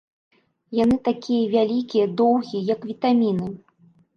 Яны такія вялікія, доўгія, як вітаміны.